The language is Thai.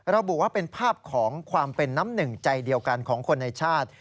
ระบุว่าเป็นภาพของความเป็นน้ำหนึ่งใจเดียวกันของคนในชาติ